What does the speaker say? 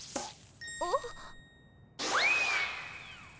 あっ。